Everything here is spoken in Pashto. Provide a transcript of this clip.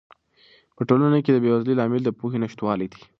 په ټولنه کې د بې وزلۍ لامل د پوهې نشتوالی دی.